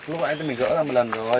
lúc nãy mình gỡ ra một lần rồi